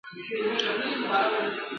پښتنو وویل چي مه بې زړه کېږئ.